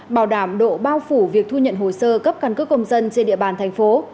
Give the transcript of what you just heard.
bảo đảm độ bao phủ việc thu nhận hồ sơ cấp căn cước công dân trên địa bàn thành phố